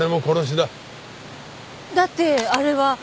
だってあれは。